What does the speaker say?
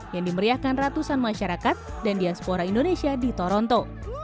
yang dimeriahkan ratusan masyarakat dan diaspora indonesia di toronto